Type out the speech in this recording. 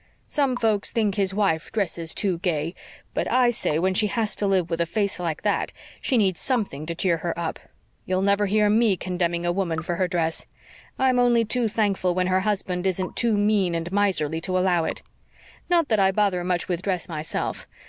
Some folks think his wife dresses too gay, but I say when she has to live with a face like that she needs something to cheer her up. You'll never hear ME condemning a woman for her dress. I'm only too thankful when her husband isn't too mean and miserly to allow it. Not that I bother much with dress myself.